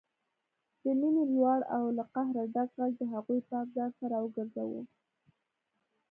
د مينې لوړ او له قهره ډک غږ د هغوی پام ځانته راوګرځاوه